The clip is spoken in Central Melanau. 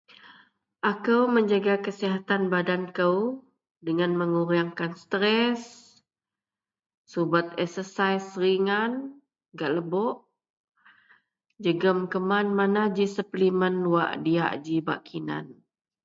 Akou menjaga kesihatan badan kou dengan mengurengkan setres subet eksasaih ringan gak lebok jegem keman mana ji suplimen wak diyak ji bak kinan.